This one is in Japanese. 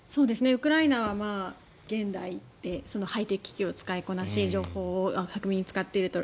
ウクライナは現代でハイテク機器を使いこなし情報を巧みに使っていると。